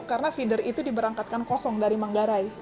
karena feeder itu diberangkatkan kosong dari manggarai